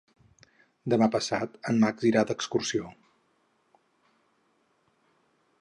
Demà passat en Max irà d'excursió.